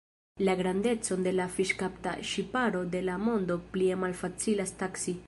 La grandecon de la fiŝkapta ŝiparo de la mondo plie malfacilas taksi.